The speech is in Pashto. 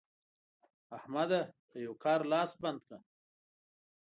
احمده! په یوه کار لاس بنده کړه.